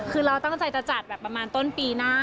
คือเราตั้งใจจะจัดแบบประมาณต้นปีหน้า